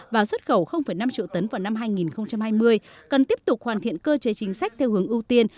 và xuất khẩu năm triệu tấn vào năm hai nghìn hai mươi cần tiếp tục hoàn thiện cơ chế chính sách theo hướng ưu tiên